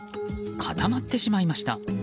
固まってしまいました。